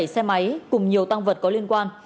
bảy mươi bảy xe máy cùng nhiều tăng vật có liên quan